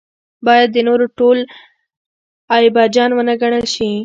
باید د نورو ټول عیبجن ونه ګڼل شي.